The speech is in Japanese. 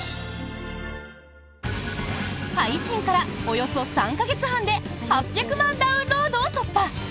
配信からおよそ３か月半で８００万ダウンロードを突破！